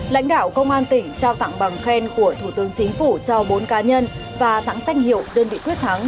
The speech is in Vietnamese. lãnh đạo công an tỉnh trao tặng bằng khen của thủ tướng chính phủ cho bốn cá nhân và tặng sách hiệu đơn vị quyết thắng